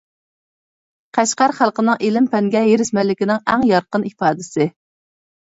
قەشقەر خەلقىنىڭ ئىلىم-پەنگە ھېرىسمەنلىكىنىڭ ئەڭ يارقىن ئىپادىسى.